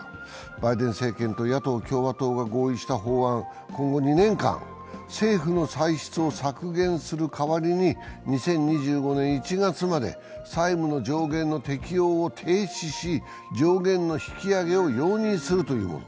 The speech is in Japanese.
バイデン政権と野党・共和党が合意した法案は今後２年間、政府の歳出を削減する代わりに２０２５年１月まで債務の上限の適用を停止し上限の引き上げを容認するというもの。